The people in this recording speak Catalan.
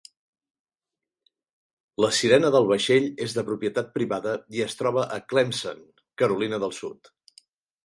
La sirena del vaixell és de propietat privada i es troba a Clemson, Carolina del Sud.